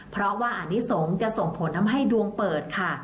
เพราะว่าอนิสงฆ์จะส่งผลทำให้ดวงเปิดค่ะ